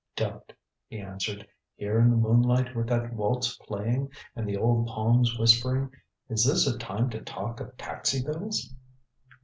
"Don't," he answered. "Here in the moonlight, with that waltz playing, and the old palms whispering is this a time to talk of taxi bills?"